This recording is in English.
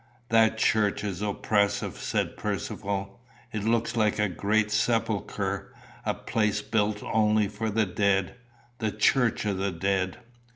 "That church is oppressive," said Percivale. "It looks like a great sepulchre, a place built only for the dead the church of the dead."